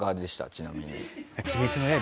ちなみに。